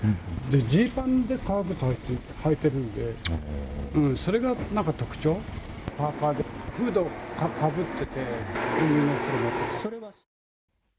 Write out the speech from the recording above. ジーパンで革靴履いてるんで、それが特徴、パーカーでフードかぶってて、コンビニの袋持ってた。